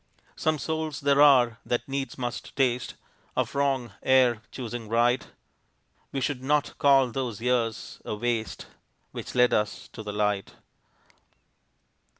Some souls there are that needs must taste Of wrong, ere choosing right; We should not call those years a waste Which led us to the light.